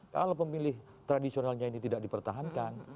kalau pemilih tradisionalnya ini tidak dipertahankan